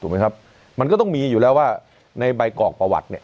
ไหมครับมันก็ต้องมีอยู่แล้วว่าในใบกรอกประวัติเนี่ย